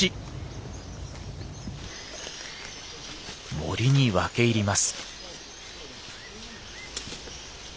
森に分け入ります。